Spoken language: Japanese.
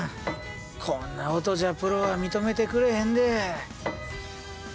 こんな音じゃプロは認めてくれへんで。